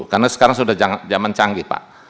karena sekarang sudah zaman canggih pak